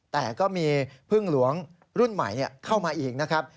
แต่ก็มีพึ่งหลวงรุ่นใหม่เข้ามาอีกนะครับ